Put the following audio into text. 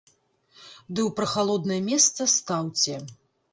Ды ў прахалоднае месца стаўце.